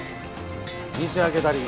道開けたり。